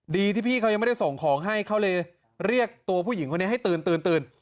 ดีที่พี่เขายังไม่ได้ส่งของให้เขาเลยเรียกตัวผู้หญิงคนนี้ให้ตื่น